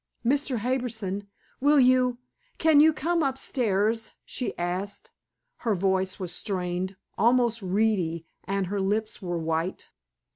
"Mr. Harbison, will you can you come upstairs?" she asked. Her voice was strained, almost reedy, and her lips were white.